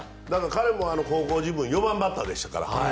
彼も高校時分４番バッターでしたから。